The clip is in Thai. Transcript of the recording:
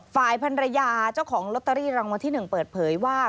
ฝ่ายพันรยาเจ้าของลอตเตอรี่รางวัลที่๑เปิดเผยว่า